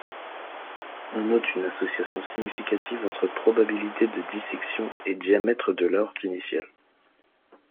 On note une association significative entre probabilité de dissection et diamètre de l’aorte initiale.